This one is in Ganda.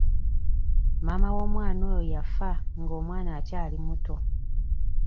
Maama w'omwana oyo yafa nga omwana akyali muto.